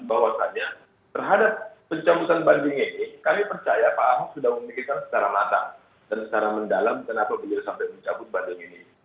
bahwasannya terhadap pencabutan banding ini kami percaya pak ahok sudah memikirkan secara matang dan secara mendalam kenapa beliau sampai mencabut banding ini